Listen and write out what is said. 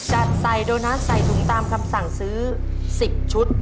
จัดใส่โดนัสใส่ถุงตามคำสั่งซื้อ๑๐ชุด